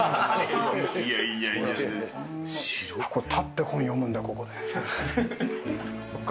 立って本読むんだ、ここで。